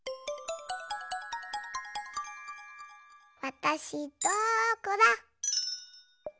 わたしどこだ？